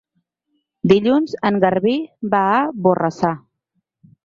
Dilluns en Garbí va a Borrassà.